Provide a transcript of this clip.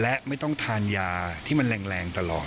และไม่ต้องทานยาที่มันแรงตลอด